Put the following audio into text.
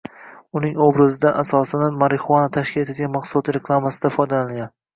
Uning obrazidan asosini marixuana tashkil etadigan mahsulot reklamasida foydalanilgan